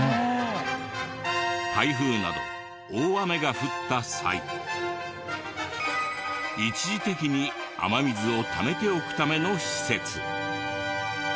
台風など大雨が降った際一時的に雨水をためておくための施設。